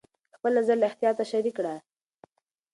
خپل نظر له احتیاطه شریک کړه.